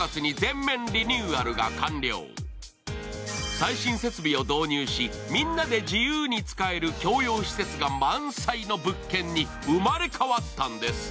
最新設備を導入し、みんなで自由に使える共用施設が満載の物件に生まれ変わったんです。